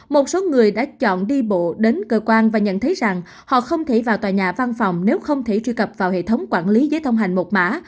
một số người đã chọn đi bộ đến cơ quan và nhận thấy rằng họ không thể vào tòa nhà văn phòng nếu không thể truy cập vào hệ thống quản lý giấy thông hành một mã